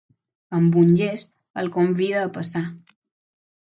Amb un gest el convida a passar.